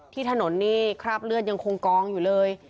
ถนนนี่คราบเลือดยังคงกองอยู่เลย